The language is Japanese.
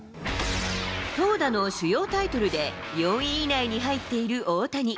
投打の主要タイトルで４位以内に入っている大谷。